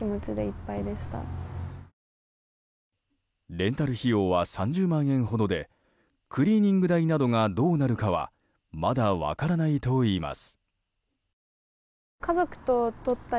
レンタル費用は３０万円ほどでクリーニング代などがどうなるかはまだ分からないといいます。